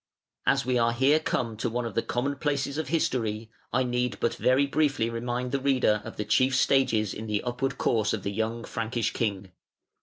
] As we are here come to one of the common places of history, I need but very briefly remind the reader of the chief stages in the upward course of the young Frankish king.